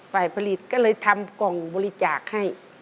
ฝ่ายผลิตก็เลยทำกล่องบริจาคให้